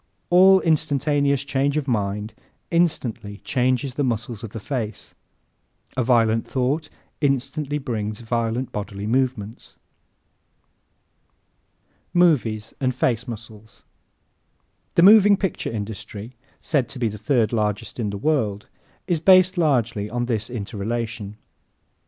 An instantaneous change of mind instantly changes the muscles of the face. A violent thought instantly brings violent bodily movements. Movies and Face Muscles ¶ The moving picture industry said to be the third largest in the world is based largely on this interrelation.